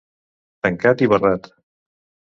Tancat i barrat.